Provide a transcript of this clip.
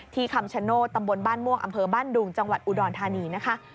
คำชโนธตำบลบ้านม่วงอำเภอบ้านดุงจังหวัดอุดรธานีนะคะ